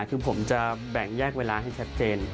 คือผมจะแบ่งแยกเวลาให้ชัดเจน